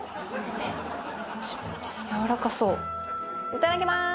いただきまーす！